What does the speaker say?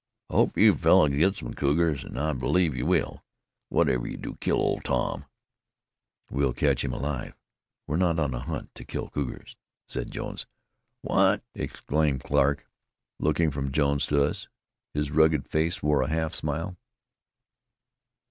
"I hope you fellars git some cougars, an' I believe you will. Whatever you do, kill Old Tom." "We'll catch him alive. We're not on a hunt to kill cougars," said Jones. "What!" exclaimed Clarke, looking from Jones to us. His rugged face wore a half smile.